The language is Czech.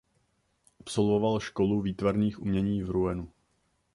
Absolvoval Školu výtvarných umění v Rouenu.